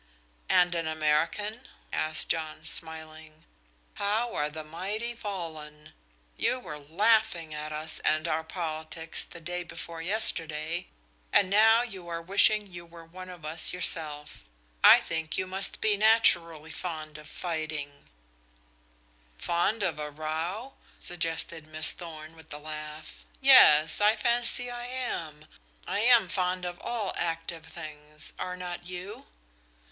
"And an American?" asked John, smiling. "How are the mighty fallen! You were laughing at us and our politics the day before yesterday, and now you are wishing you were one of us yourself. I think you must be naturally fond of fighting" "Fond of a row?" suggested Miss Thorn, with a laugh. "Yes, I fancy I am. I am fond of all active things. Are not you?"